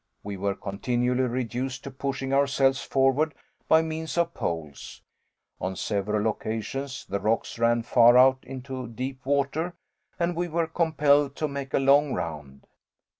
We were continually reduced to pushing ourselves forward by means of poles. On several occasions the rocks ran far out into deep water and we were compelled to make a long round.